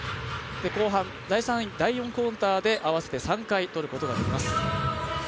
後半、第４クオーターで合わせて３回取ることができます。